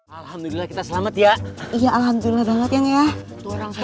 alhamdulillah kita selamat ya iya alhamdulillah banget ya